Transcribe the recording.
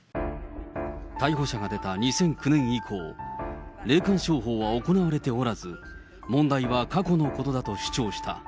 逮捕者が出た２００９年以降、霊感商法は行われておらず、問題は過去のことだと主張した。